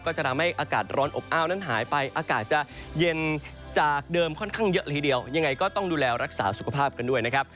ค่อนข้างเยอะเลยทีเดียวยังไงก็ต้องดูแลรักษาสุขภาพกันด้วยนะครับ